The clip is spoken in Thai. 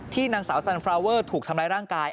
นางสาวสันฟราเวอร์ถูกทำร้ายร่างกาย